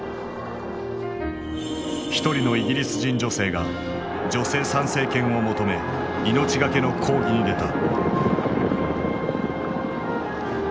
一人のイギリス人女性が女性参政権を求め命がけの抗議に出た。